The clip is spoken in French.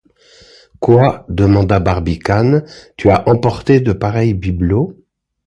Quoi! demanda Barbicane, tu as emporté de pareils bibelots?